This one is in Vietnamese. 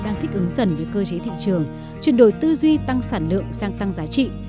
đang thích ứng dần với cơ chế thị trường chuyển đổi tư duy tăng sản lượng sang tăng giá trị